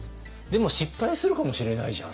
でも失敗するかもしれないじゃん。